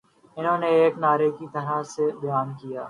انہوں نے ایک نعرے کی طرح اسے بیان کیا